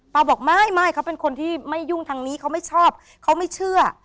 บอกไม่ไม่เขาเป็นคนที่ไม่ยุ่งทางนี้เขาไม่ชอบเขาไม่เชื่อ